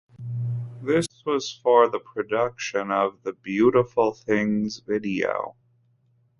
This was for the production of "The Beautiful Things" video.